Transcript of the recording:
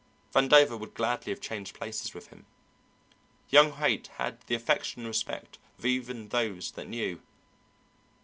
Vandover would gladly have changed places with him. Young Haight had the affection and respect of even those that knew.